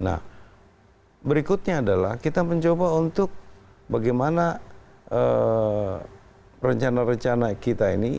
nah berikutnya adalah kita mencoba untuk bagaimana rencana rencana kita ini